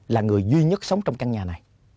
là người duy nhất sống trong căn nhà này